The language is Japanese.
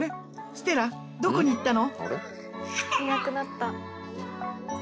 ステラどこに行ったの？